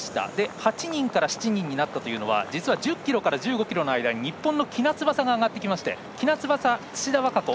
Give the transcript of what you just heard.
８人から７人になったというのは実は１０ｋｍから１５ｋｍの間に日本の喜納翼が上がってきまして、喜納翼土田和歌子